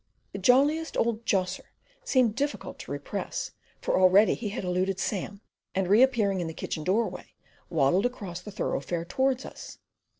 The "jolliest old josser" seemed difficult to repress; for already he had eluded Sam, and, reappearing in the kitchen doorway, waddled across the thoroughfare towards us.